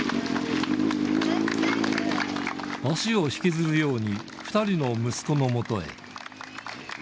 足を引きずるように、２人の息子のもとへ。